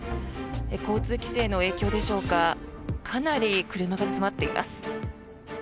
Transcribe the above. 交通規制の影響でしょうかかなり車が詰まっています。